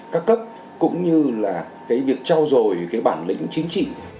các cấp cũng như là cái việc trao dồi cái bản lĩnh chính trị